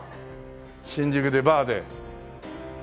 新宿でバーで。